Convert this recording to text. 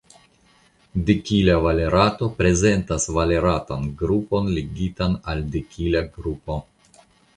Dekila valerato prezentas valeratan grupon ligitan al dekila grupo.